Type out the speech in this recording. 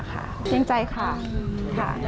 เป็นใจค่ะหรือเปล่าคะ